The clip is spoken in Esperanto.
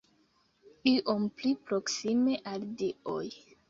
Iom pli proksime al dioj!